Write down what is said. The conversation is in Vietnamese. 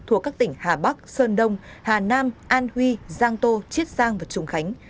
thuộc các tỉnh hà bắc sơn đông hà nam an huy giang tô chiết giang và trung khánh